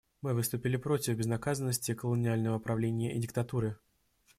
Мы выступили против безнаказанности колониального правления и диктатуры.